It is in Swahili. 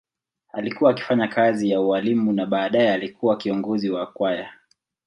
Alikuwa akifanya kazi ya ualimu na baadaye alikuwa kiongozi wa kwaya.